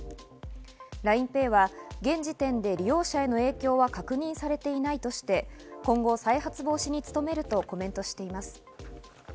ＬＩＮＥＰａｙは現時点で利用者への影響は確認されていないとして、今後、再発防止に努めるとコメントしています。